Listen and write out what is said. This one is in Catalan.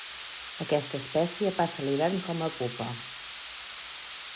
Aquesta espècie passa l'hivern com a pupa.